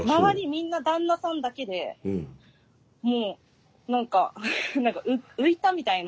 みんな旦那さんだけでもう何か何か浮いたみたいな。